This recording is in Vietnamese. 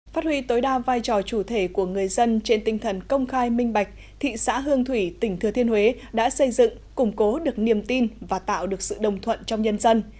phát huy tối đa vai trò chủ thể của người dân trên tinh thần công khai minh bạch thị xã hương thủy tỉnh thừa thiên huế đã xây dựng củng cố được niềm tin và tạo được sự đồng thuận trong nhân dân